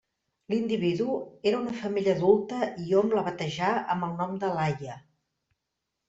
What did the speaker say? L'individu era una femella adulta i hom la batejà amb el nom de Laia.